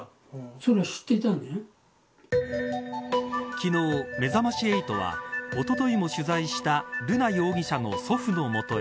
昨日、めざまし８はおとといも取材した瑠奈容疑者の祖父の元へ。